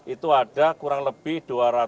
itu ada kurang lebih dua ratus empat puluh enam